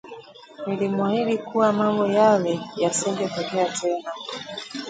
nilimuahidi kuwa mambo yale yasinge kutokea tena